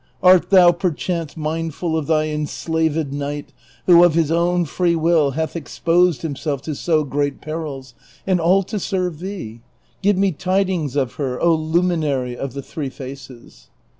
Art thou, perchance, mindful of thy enslaved knight who of his own free will hath exposed himself to so great perils, and all to serve thee ? Give me tidings of her, oh luminary of the three faces